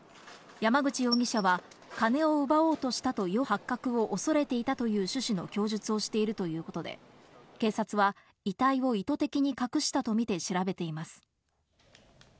山口容疑者は金を奪おうとしたと容疑を認め、事件の発覚を恐れていたという趣旨の供述をしているということで、警察は遺体を意図的に隠したとみて調べています。